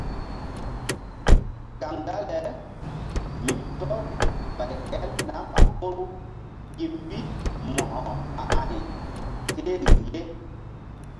Kaŋ dale mi tɔ́r ɓay el nam a ɓoru gi mbi Mo̧ko a a̧y ke riŋ ye.